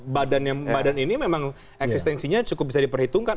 badan yang badan ini memang eksistensinya cukup bisa diperhitungkan